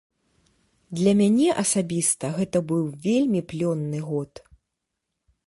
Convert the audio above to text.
Для мяне асабіста гэта быў вельмі плённы год.